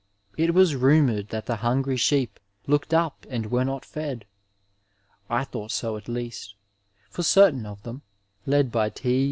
It was rumoured that the hungry sheep looked up and were not fed. I thought so at least, for cer tain of them, led by T.